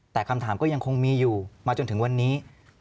แต่คำถามก็ยังคงมีอยู่มาจนถึงวันนี้